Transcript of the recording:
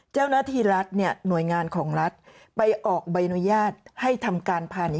ใช้คำนี้ถูกมั้ยครับ